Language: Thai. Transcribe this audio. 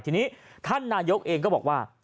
ทีนี้ท่านนายกเองก็บอกว่า